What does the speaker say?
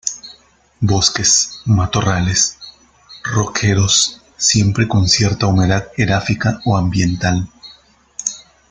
Bosques, matorrales, roquedos, siempre con cierta humedad edáfica o ambiental.